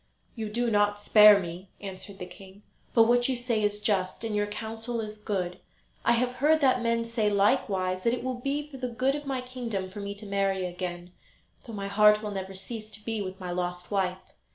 "You do not spare me," answered the king; "but what you say is just, and your counsel is good. I have heard that men say, likewise, that it will be for the good of my kingdom for me to marry again, though my heart will never cease to be with my lost wife.